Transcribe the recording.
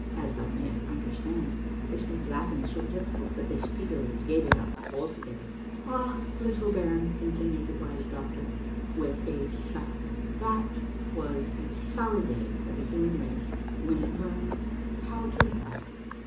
As thou mayst understand, this made laughing so difficult that they speedily gave it up altogether. " Ah, little baron," continued the wise doctor Avith a sigh, " that Avas a sorry day for the human race Avhen it learned hoAV to laugh.